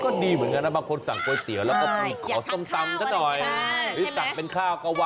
ก็ดีเหมือนกันนะบางคนสั่งก๋วยเตี๋ยวแล้วก็ขอส้มตำก็ด้วย